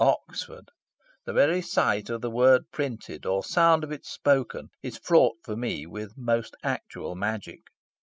Oxford! The very sight of the word printed, or sound of it spoken, is fraught for me with most actual magic.